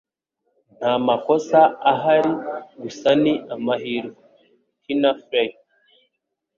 Nta makosa ahari, gusa ni amahirwe.” —Tina Fey